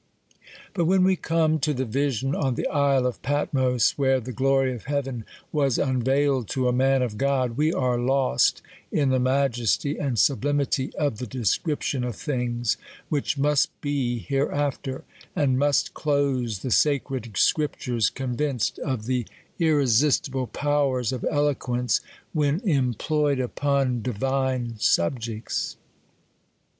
But when we come to the vision on the isle of Patmos, where the glory of heaven was unveiled to a man of God, we are lost in the majesty and sublimity of the description of things, which must be hereafter ; and must close the sacred scriptures, convinced of the irre sistiblf 284 THE COLUMBIAN ORATOR. sistible Powers of Eloquence, when employed u/ jn di vine subjects.